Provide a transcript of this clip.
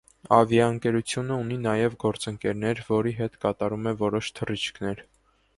Ավիաընկերությունը ունի նաև գործընկերներ, որի հետ կատարում է որոշ թռիչքներ։